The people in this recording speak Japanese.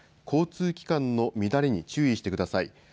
交通機関の乱れに注意してください。